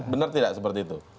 bener tidak seperti itu